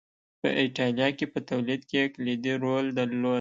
په اېټالیا کې په تولید کې یې کلیدي رول درلود